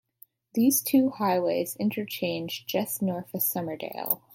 These two highways interchange just north of Summerdale.